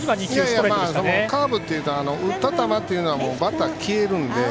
カーブというのは打った球はバッター、消えるので。